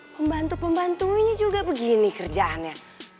pembantu pembantunya juga begini kerjaannya